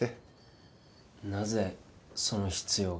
なぜその必要が？